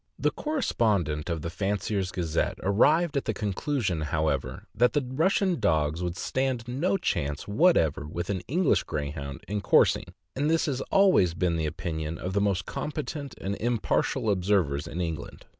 The correspondent of the Fancier' s Gazette arrived at the conclusion, however, that the Russian dogs would stand no chance whatever with an English Greyhound in cours ing; and this has always been the opinion of the most com petent and impartial observers in England.